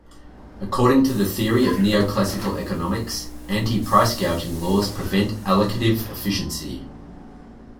According to the theory of neoclassical economics, anti-price gouging laws prevent allocative efficiency.